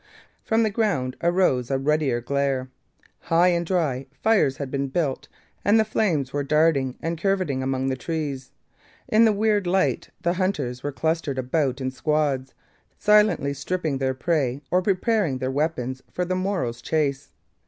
From the ground arose a ruddier glare. High and dry, fires had been built and the flames were darting and curvetting among the trees. In the weird light the hunters were clustered about in squads, silently stripping their prey or preparing their weapons for the morrow's chase.